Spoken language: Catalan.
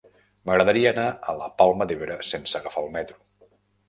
M'agradaria anar a la Palma d'Ebre sense agafar el metro.